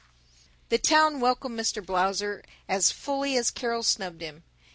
The town welcomed Mr. Blausser as fully as Carol snubbed him.